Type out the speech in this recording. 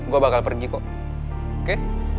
gue bakal pergi kok oke